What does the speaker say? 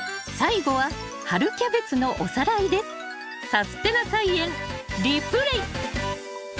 「さすてな菜園リプレイ」！